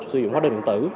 sử dụng hóa đơn điện tử